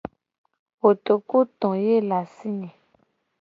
Kotoku to ye le asi nye.